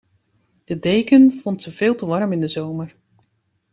De deken vond ze veel te warm in de zomer.